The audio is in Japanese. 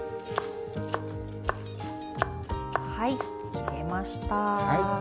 切れました。